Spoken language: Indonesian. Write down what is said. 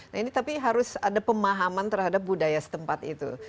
nah ini tapi harus ada pemahaman terhadap budaya setempat itu